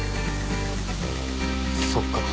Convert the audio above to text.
そっか。